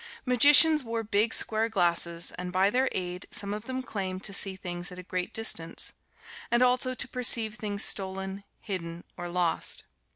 Magicians wore big square glasses, and by their aid, some of them claimed to see things at a great distance; and also to perceive things stolen, hidden or lost.